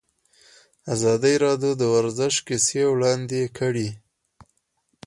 ازادي راډیو د ورزش کیسې وړاندې کړي.